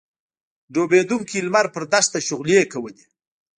ډوبېدونکی لمر پر دښته شغلې کولې.